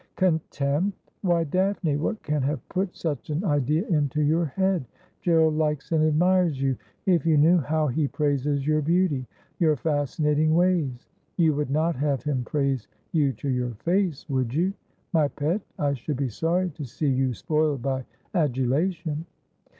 ' Contempt ! Why, Daphne, what can have put such an idea into your head ? Gerald likes and admires you. If you knew how he praises your beauty, your fascinating ways ! You would not have him praise you to your face, would you ? My pet, I should be sorry to see you spoiled by adulation.'